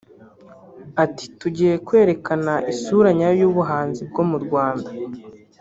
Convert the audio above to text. Ati “Tugiye kwerekana isura nyayo y’ubuhanzi bwo mu Rwanda